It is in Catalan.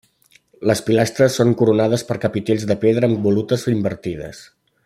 Les pilastres són coronades per capitells de pedra amb volutes invertides.